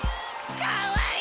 かわいい！